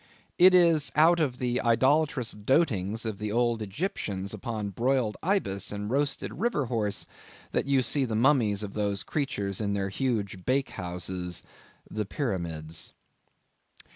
It is out of the idolatrous dotings of the old Egyptians upon broiled ibis and roasted river horse, that you see the mummies of those creatures in their huge bake houses the pyramids.